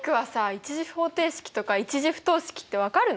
１次方程式とか１次不等式って分かるの？